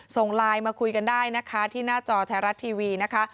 ส่งไลน์มาคุยกันได้นะคะที่หน้าจอไทยรัฐทีวีนะคะ